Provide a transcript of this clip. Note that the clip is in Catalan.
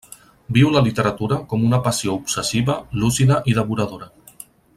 Viu la literatura com una passió obsessiva, lúcida i devoradora.